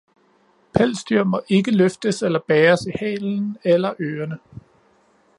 Pelsdyr må ikke løftes eller bæres i halen eller ørene.